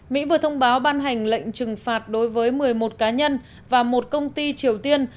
mỹ vừa thông báo ban hành lệnh trừng phạt đối với một mươi một cá nhân và một công ty triều tiên